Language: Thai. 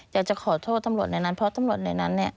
อยากจะขอโทษตำรวจในนั้นเพราะตำรวจในนั้น